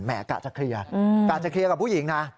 กะจะเคลียร์กะจะเคลียร์กับผู้หญิงนะ